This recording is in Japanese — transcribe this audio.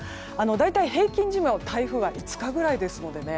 大体平均寿命台風は５日ぐらいですので。